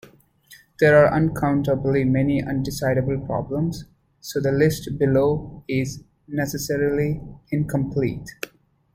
There are uncountably many undecidable problems, so the list below is necessarily incomplete.